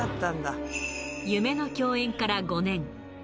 夢の共演から５年。